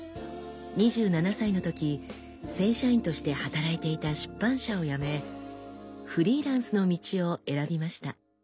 ２７歳のとき正社員として働いていた出版社を辞めフリーランスの道を選びました。